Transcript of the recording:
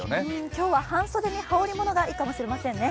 今日は半袖に羽織りものがいいかもしれませんね。